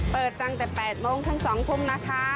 เปิดตั้งแต่๘๐๐นถึง๒๐๐๐นนะคะ